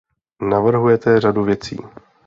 Navrhujete řadu věcí.